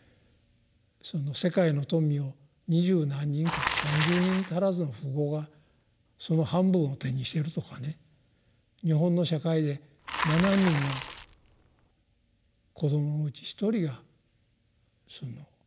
その世界の富を二十何人か３０人足らずの富豪がその半分を手にしているとかね日本の社会で７人の子どものうち１人がその飢えに苦しんでいるとかね。